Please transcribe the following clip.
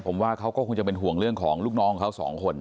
ผมว่าเขาก็คงจะเป็นห่วงเรื่องของลูกน้องของเขาสองคน